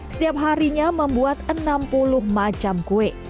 setiap harinya membuat enam puluh macam kue